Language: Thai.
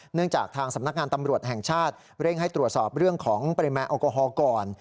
จากทางสำนักงานตำรวจแห่งชาติเร่งให้ตรวจสอบเรื่องของปริมาณแอลกอฮอล์ก่อน